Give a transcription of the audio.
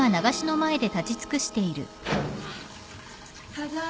ただいま。